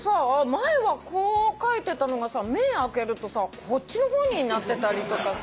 前はこう描いてたのが目開けるとこっちの方になってたりとかさ。